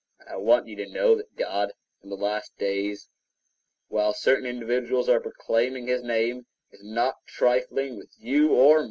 And I want you to know that God, in the last days, while certain individuals are proclaiming his name, is not trifling with you or me.